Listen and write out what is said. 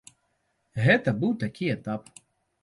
Гэта быў такі этап.